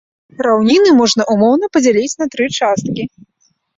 Раўніны можна ўмоўна падзяліць на тры часткі.